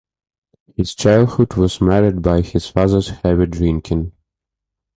His childhood was marred by his father's heavy drinking.